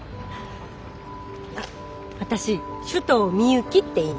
あっ私首藤ミユキっていいます。